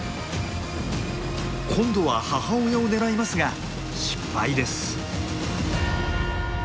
今度は母親を狙いますが失敗です。